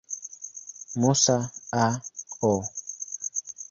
Musa, A. O.